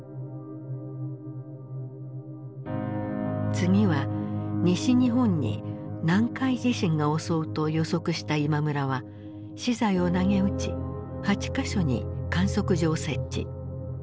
次は西日本に南海地震が襲うと予測した今村は私財をなげうち８か所に観測所を設置。